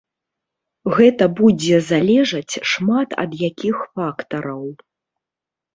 Гэта будзе залежаць шмат ад якіх фактараў.